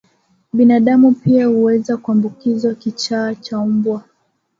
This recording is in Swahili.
Binadamu pia huweza kuambukizwa kichaa cha mbwa